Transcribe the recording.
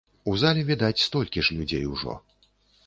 У зале, відаць, столькі ж людзей ужо.